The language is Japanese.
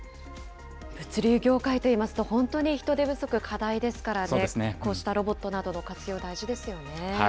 物流業界といいますと、本当に人手不足、課題ですからね、こうしたロボットなどの活用、大事ですよね。